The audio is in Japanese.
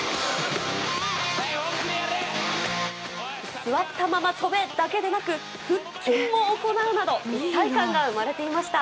座ったまま跳べだけでなく腹筋も行うなど一体感が生まれていました。